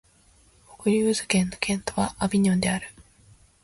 ヴォクリューズ県の県都はアヴィニョンである